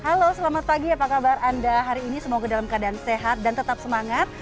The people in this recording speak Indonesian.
halo selamat pagi apa kabar anda hari ini semoga dalam keadaan sehat dan tetap semangat